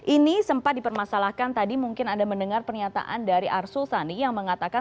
ini sempat dipermasalahkan tadi mungkin anda mendengar pernyataan dari arsul sani yang mengatakan